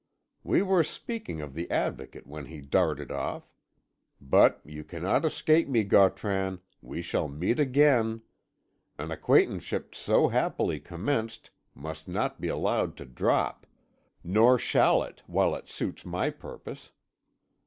"We were speaking of the Advocate when he darted off. But you cannot escape me, Gautran; we shall meet again. An acquaintanceship so happily commenced must not be allowed to drop nor shall it, while it suits my purpose.